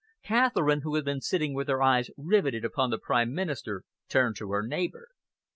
Catherine, who had been sitting with her eyes riveted upon the Prime Minister, turned to her neighbour.